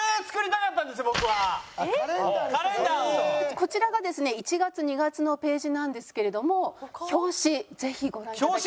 こちらがですね１月２月のページなんですけれども表紙ぜひご覧いただきたい。